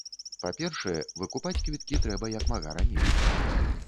Па-першае, выкупаць квіткі трэба як мага раней.